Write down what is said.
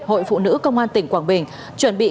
hội phụ nữ công an tỉnh quảng bình chuẩn bị